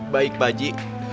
baik pak haji